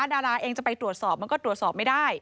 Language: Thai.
ดาราเองจะไปตรวจสอบมันก็ตรวจสอบไม่ได้